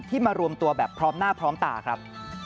มารวมตัวแบบพร้อมหน้าพร้อมตาครับ